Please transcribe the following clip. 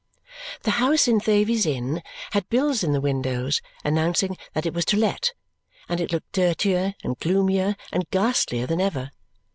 The house in Thavies Inn had bills in the windows announcing that it was to let, and it looked dirtier and gloomier and ghastlier than ever.